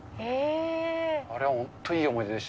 あれは本当にいい思い出でした。